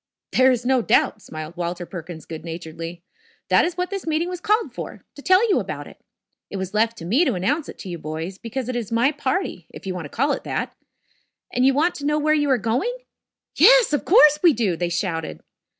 "There is no doubt," smiled Walter Perkins good naturedly. "That is what this meeting was called for to tell you about it. It was left to me to announce it to you boys, because it is my party, if you want to call it that. And you want to know where you are going?" "Yes, of course we do," they shouted.